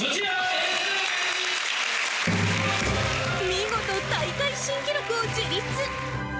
見事、大会新記録を樹立。